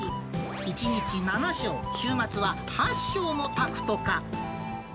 １日７升、週末は８升も炊くとか。